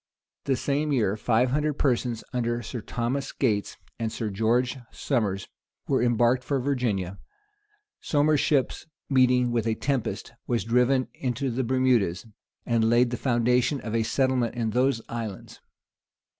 The same year, five hundred persons, under Sir Thomas Gates and Sir George Somers, were embarked for Virginia. Somers's ship, meeting with a tempest, was driven into the Bermudas, and laid the foundation of a settlement in those islands.